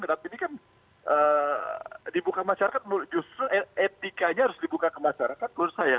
tapi ini kan dibuka masyarakat justru etikanya harus dibuka ke masyarakat menurut saya